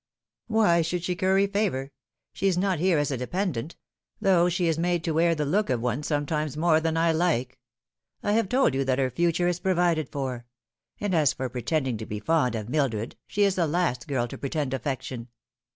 " Why should she curry favour ? She is not here as a de pendent though she is made to wear the look of one sometimes more than Hike. I have told you that her future is provided for ; and as for pretending to be fond of Mildred, she is the last girl to pretend affection.